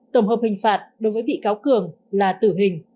tổng hợp hình phạt đối với bị cáo cường là tử hình